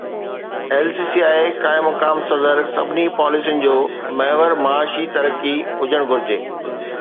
LCCI قائم مقام صدر سڀني پاليسين جو محور معاشي ترقي هجڻ گهرجي